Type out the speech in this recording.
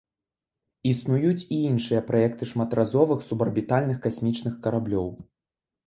Існуюць і іншыя праекты шматразовых субарбітальных касмічных караблёў.